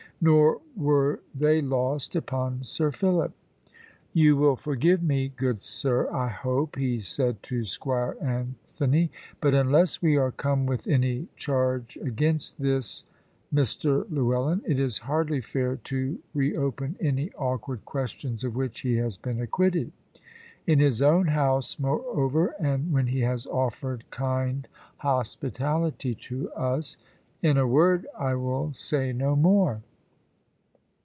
Nor were they lost upon Sir Philip. "You will forgive me, good sir, I hope," he said to Squire Anthony; "but unless we are come with any charge against this Mr Llewellyn, it is hardly fair to reopen any awkward questions of which he has been acquitted. In his own house, moreover, and when he has offered kind hospitality to us in a word, I will say no more."